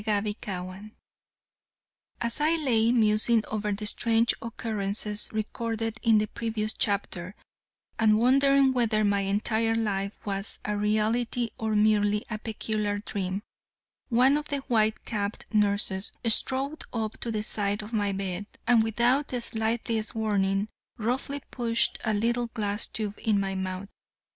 CHAPTER XXIV As I lay musing over the strange occurrences recorded in the previous chapter, and wondering whether my entire life was a reality or merely a peculiar dream, one of the white capped nurses strode up to the side of my bed and without the slightest warning roughly pushed a little glass tube in my mouth.